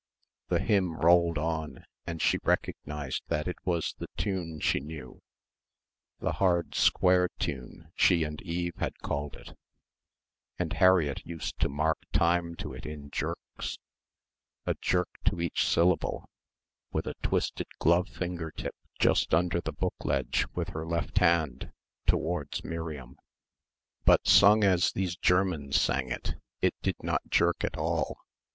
The hymn rolled on and she recognised that it was the tune she knew the hard square tune she and Eve had called it and Harriett used to mark time to it in jerks, a jerk to each syllable, with a twisted glove finger tip just under the book ledge with her left hand, towards Miriam. But sung as these Germans sang it, it did not jerk at all.